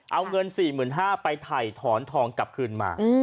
เอาเงิน๔๕๐๐บาทไปถ่ายถอนทองกลับคืนมา